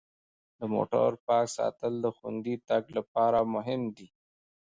د موټر پاک ساتل د خوندي تګ لپاره مهم دي.